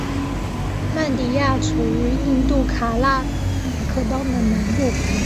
曼迪亚处于印度卡纳塔克邦的南部。